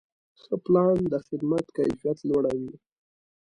ښه پلان د خدمت کیفیت لوړوي.